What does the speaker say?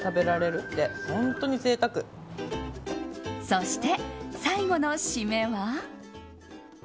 そして、最後の締めは。